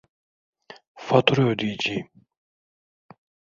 Fatura ödeyeceğim